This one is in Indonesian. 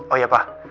oh ya pak